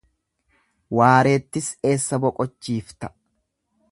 Waareettis eessa boqochiifta?